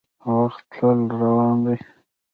• وخت تل روان دی.